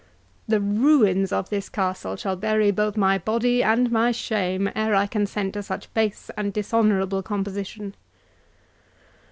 —The ruins of this castle shall bury both my body and my shame, ere I consent to such base and dishonourable composition."